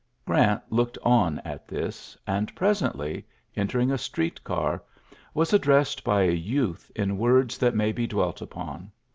Grant looked on at tb and presently, entering a street car, n addressed by a youth in words that m be dwelt upon.